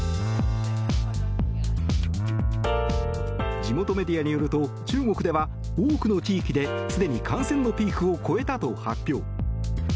地元メディアによると中国では多くの地域ですでに感染のピークを越えたと発表。